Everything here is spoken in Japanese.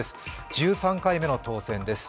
１３回目の当選です。